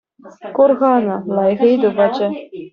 Кур-ха ӑна, лайӑх ыйту пачӗ.